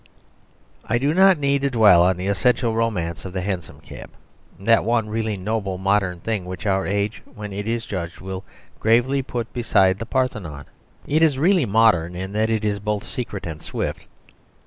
I do not need to dwell on the essential romance of the hansom cab that one really noble modern thing which our age, when it is judged, will gravely put beside the Parthenon. It is really modern in that it is both secret and swift.